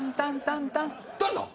誰だ？